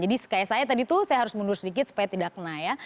jadi kayak saya tadi tuh saya harus mundur sedikit supaya tidak kena ya